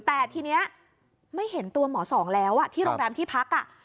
แต่ทีนี้ไม่เห็นตัวหมอสองแล้วที่โรงแรมที่พัก